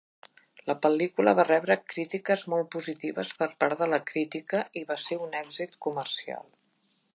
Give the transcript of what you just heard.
La pel·lícula va rebre crítiques molt positives per part de la crítica i va ser un èxit comercial.